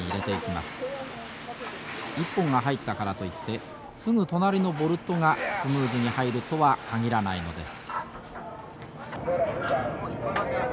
１本が入ったからといってすぐ隣のボルトがスムーズに入るとは限らないのです。